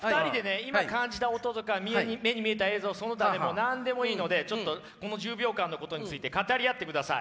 今感じた音とか目に見えた映像その他でも何でもいいのでちょっとこの１０秒間のことについて語り合ってください。